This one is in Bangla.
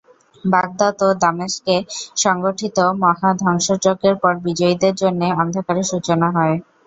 বাগদাদ ও দামেশকে সংঘটিত মহা ধ্বংসযজ্ঞের পর বিজয়ীদের জন্যে অন্ধকারের সূচনা হয়।